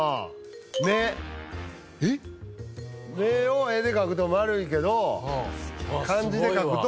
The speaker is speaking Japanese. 目を絵で描くと丸いけど漢字で書くと。